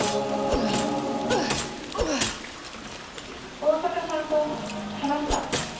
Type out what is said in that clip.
大坂さんと話した。